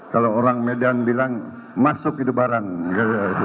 kalau orang median bilang masuk itu barang